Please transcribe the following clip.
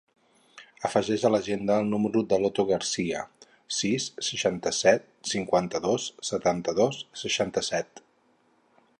Afegeix a l'agenda el número de l'Oto Gracia: sis, seixanta-set, cinquanta-dos, setanta-dos, seixanta-set.